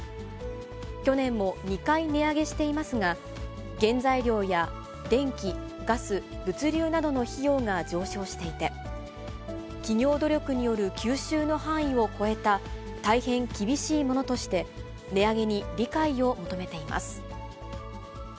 去年も２回値上げしていますが、原材料や電気、ガス、物流などの費用が上昇していて、企業努力による吸収の範囲を超えた大変厳しいものとして、値上げに理解を求めています。